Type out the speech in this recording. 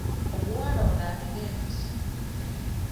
Omuwala ono alina empisa.